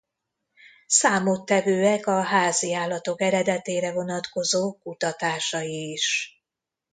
Számottevőek a háziállatok eredetére vonatkozó kutatásai is.